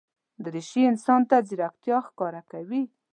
دریشي انسان ته ځیرکتیا ښکاره کوي.